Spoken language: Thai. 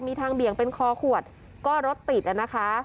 มีทางเบี่ยงเป็นคอขวดก็รถติดนะคะ